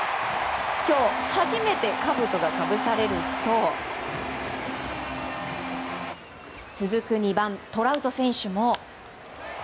今日初めてかぶとがかぶされると続く２番、トラウト選手も。